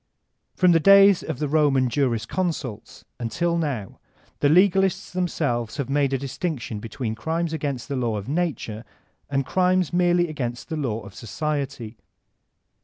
From the days of the Roman jurisconsults until now the l^alists themselves have made a distinction between crimes against the law of nature and crimes merely against the law of society.